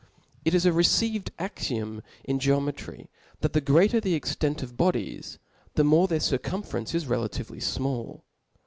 It is a received, axiom ^ in geometry, that the greater the extent of bodies, the more their cir Cttmferen«e is relatively fmall.